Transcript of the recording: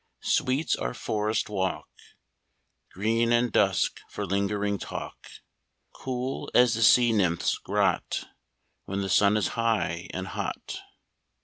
Sweet's our forest walk Green and dusk for lingering talk. Cool as the sea nymph's grot When the sun is high and hot.